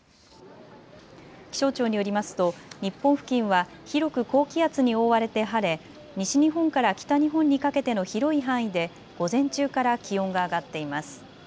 気象庁によりますと日本付近は広く高気圧に覆われて晴れ西日本から北日本にかけての広い範囲で午前中から気温が上がっています。